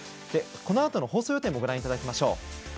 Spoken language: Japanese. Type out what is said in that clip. このあとの放送予定もご覧いただきましょう。